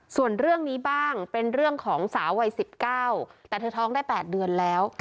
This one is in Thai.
ส่วนเรื่องนี้บ้างเป็นเรื่องของสาววัย๑๙แต่เธอท้องได้๘เดือนแล้ว